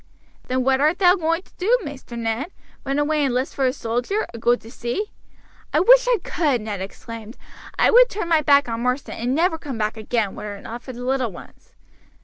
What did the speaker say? "Then what art thou going to do, Maister Ned run away and 'list for a soldier, or go to sea?" "I wish I could," Ned exclaimed. "I would turn my back on Marsden and never come back again, were it not for the little ones.